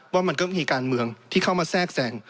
ว่ามันก็มีการเมืองที่เข้ามาแทรกแทรง